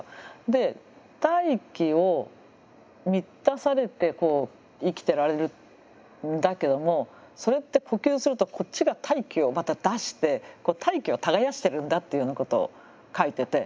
で大気を満たされて生きてられるんだけどもそれって呼吸するとこっちが大気をまた出して大気を耕してるんだっていうようなことを書いてて。